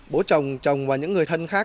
bố chồng chồng và những người thân khác